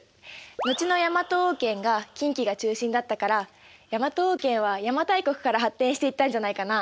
後の大和王権が近畿が中心だったから大和王権は邪馬台国から発展していったんじゃないかな？